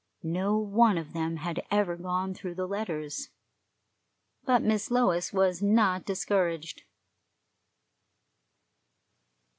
No one of them had ever gone through the letters, but Miss Lois was not discouraged.